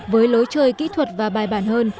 với lối chơi kỹ thuật và bài bản hơn